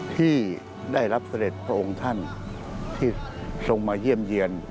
ที่ได้รับเสด็จพระองค์ท่านที่ทรงมาเยี่ยมเยี่ยน